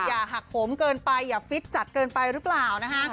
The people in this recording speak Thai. อย่าหักผมเกินไปอย่าฟิตจัดเกินไปหรือเปล่านะคะ